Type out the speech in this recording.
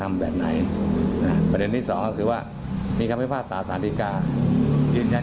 กระดำผิดโดยมีหลักฐานเป็นภาพจากกล้องวงการปิด